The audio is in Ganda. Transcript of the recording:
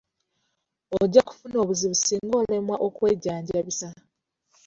Ojja kufuna obuzibu singa olemwa okwejjanjabisa.